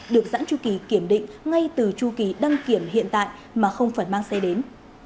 được dẫn chu kỳ kiểm định ngay từ chu kỳ đăng kiểm hiện tại mà không phải mang xe đến